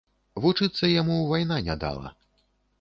Вучыцца яму вайна не дала.